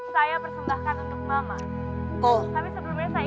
saya persembahkan untuk mama